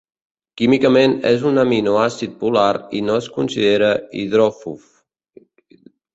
Químicament és un aminoàcid polar i no es considera hidròfob.